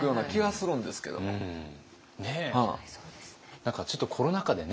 何かちょっとコロナ禍でね